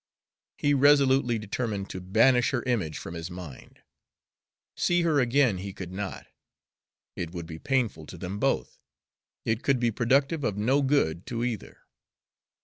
He resolutely determined to banish her image from his mind. See her again he could not; it would be painful to them both; it could be productive of no good to either.